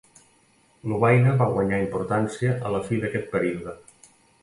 Lovaina va guanyar importància a la fi d'aquest període.